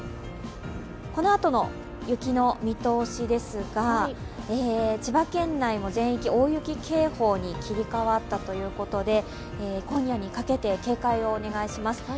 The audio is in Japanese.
このあとの雪の見通しですが、千葉県内も全域、大雪警報に切り替わったということで今夜にかけて、警戒をお願いします